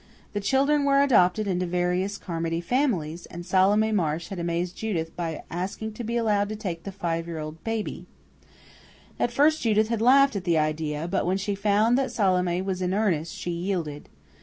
The children were adopted into various Carmody families, and Salome Marsh had amazed Judith by asking to be allowed to take the five year old "baby." At first Judith had laughed at the idea; but, when she found that Salome was in earnest, she yielded.